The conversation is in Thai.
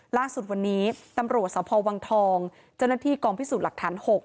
ล่าสุดวันนี้ตำรวจสพวังทองเจ้าหน้าที่กองพิสูจน์หลักฐาน๖